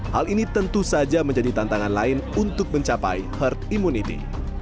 hal ini tentu saja menjadi tantangan lain untuk mencapai herd immunity